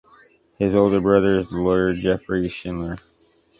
His older brother is the lawyer Geoffrey Shindler.